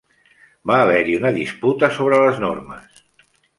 Va haver-hi una disputa sobre les normes.